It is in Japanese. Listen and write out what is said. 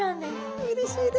あうれしいですね。